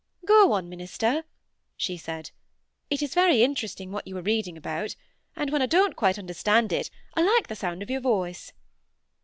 "Go on, minister," she said; "it is very interesting what you are reading about, and when I don't quite understand it, I like the sound of your voice."